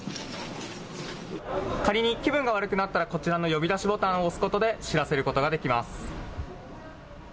仮に気分が悪くなったら、こちらの呼び出しボタンを押すことで知らせることができます。